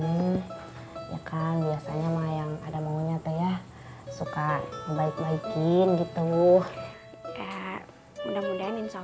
ini ya kan biasanya mah yang ada maunya teh ya suka baik baikin gitu mudah mudahan insya